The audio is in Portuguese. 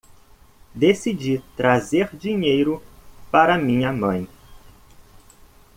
Decidi trazer dinheiro para minha mãe.